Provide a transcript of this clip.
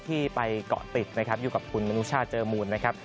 ที่ไปเกาะติดนะครับอยู่กับคุณมนุชาเจอมูลนะครับ